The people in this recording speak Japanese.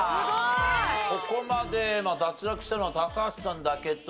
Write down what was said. ここまで脱落したのは高橋さんだけと。